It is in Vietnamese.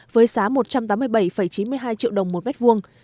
với giá một trăm tám mươi bảy chín mươi hai triệu đồng một mét vuông